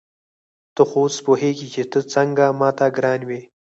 ته خو اوس پوهېږې چې ته څنګه ما ته ګران وې.